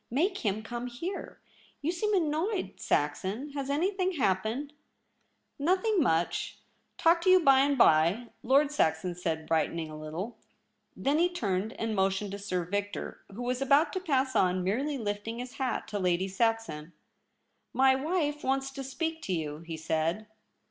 * Make him come here. You seem annoyed, Saxon. Has anything hap pened ?'* Nothing much — talk to you by and by,' Lord Saxon said, brightening a little. Then he turned and motioned to Sir Victor, who was about to pass on, merely lifting his hat to Lady Saxon. ' My wife wants to speak to you,' he said.